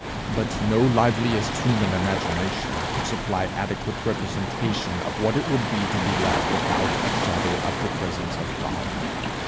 But no liveliest human imagination could supply adequate representation of what it would be to be left without a shadow of the presence of God.